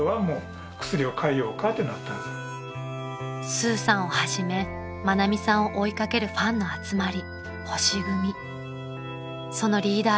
［スーさんをはじめ愛美さんを追い掛けるファンの集まり］